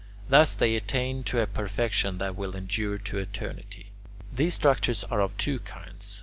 Thus they attain to a perfection that will endure to eternity. These structures are of two kinds.